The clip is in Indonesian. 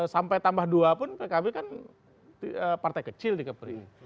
sampai tambah dua pun pkb kan partai kecil di kepri